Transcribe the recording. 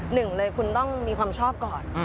หนึ่งเลยคุณต้องมีความชอบก่อน